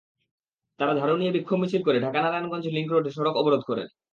তাঁরা ঝাড়ু নিয়ে বিক্ষোভ মিছিল করে ঢাকা-নারায়ণগঞ্জ লিংকরোডে সড়ক অবরোধ করেন।